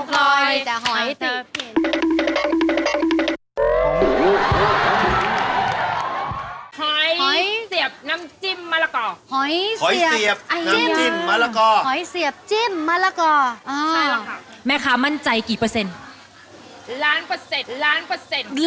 ๑ล้านเปอร์เซ็จทุกล้านเปอร์เซ็จ